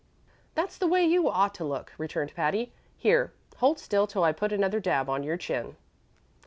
"That's the way you ought to look," returned Patty. "Here, hold still till I put another dab on your chin."